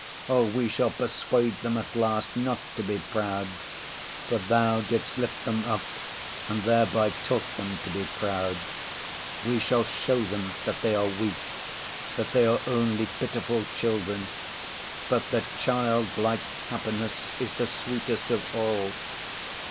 Oh, we shall persuade them at last not to be proud, for Thou didst lift them up and thereby taught them to be proud. We shall show them that they are weak, that they are only pitiful children, but that childlike happiness is the sweetest of all.